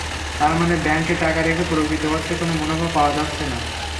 তার মানে, ব্যাংকে টাকা রেখে প্রকৃত অর্থে কোনো মুনাফা পাওয়া যাচ্ছে না।